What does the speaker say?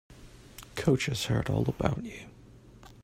Coach has heard all about you.